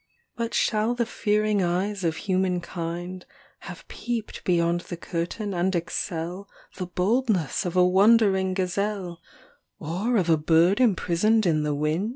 XXXIII But shall the fearing eyes of humankind Have peeped beyond the curtain and excel The boldness of a wondering gazelle Or of a bird imprisoned in the wind